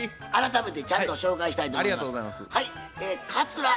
改めてちゃんと紹介したいと思います。